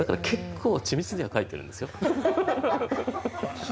結構緻密には描いてるんですよ。